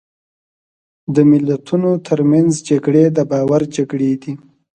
د ملتونو ترمنځ جګړې د باور جګړې دي.